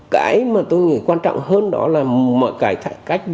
cái mà tôi nghĩ quan trọng hơn đó là mọi cải cách rất là mạnh mẽ về môi trường kinh doanh